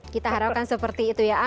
kita harapkan seperti itu ya